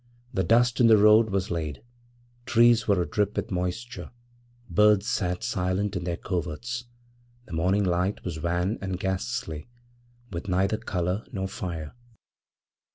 The dust in the road was laid; trees were adrip with moisture; birds sat silent in their coverts; the morning light was wan and ghastly, with neither colour nor fire.